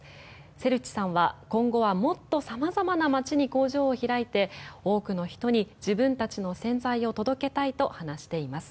セルチさんは今後はもっと様々な街に工場を開いて多くの人に自分たちの洗剤を届けたいと話しています。